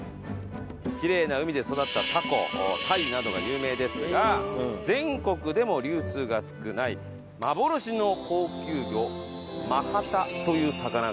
きれいな海で育ったタコタイなどが有名ですが全国でも流通が少ない幻の高級魚マハタという魚があるんだそうです。